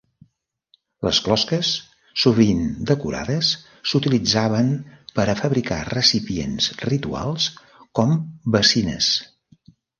Les closques, sovint decorades, s'utilitzaven per a fabricar recipients rituals com bacines.